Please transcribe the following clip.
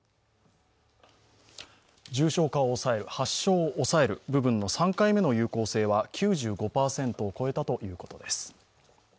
重症化を抑える、発症を抑える部分の３回目の有効性は９５％を超えたということです。